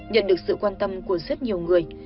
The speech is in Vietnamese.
nhận được sự quan tâm của rất nhiều người